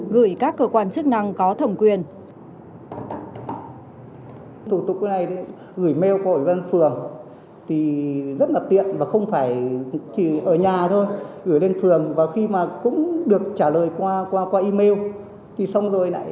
gửi các cơ quan chức năng có thẩm quyền